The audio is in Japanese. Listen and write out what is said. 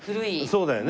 そうだよね。